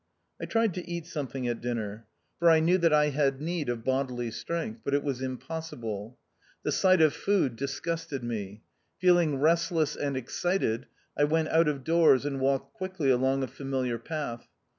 I tried to eat something at dinner, for I i 3 4 THE OUTCAST. knew that I had need of bodily strength ; but it was impossible. The sight of food disgusted me. Feeling restless and excited, I went out of doors and walked quickly along a familiar path.